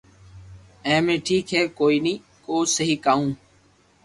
اي مي ݾڪ ھي ڪوئي ني ڪو سھي ڪاو